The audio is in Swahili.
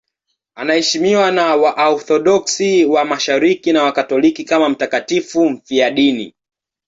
Anaheshimiwa na Waorthodoksi wa Mashariki na Wakatoliki kama mtakatifu mfiadini.